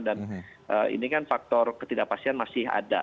dan ini kan faktor ketidakpastian masih ada